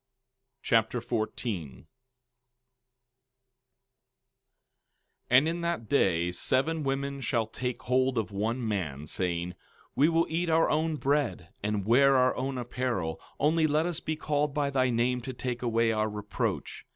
2 Nephi Chapter 14 14:1 And in that day, seven women shall take hold of one man, saying: We will eat our own bread, and wear our own apparel; only let us be called by thy name to take away our reproach.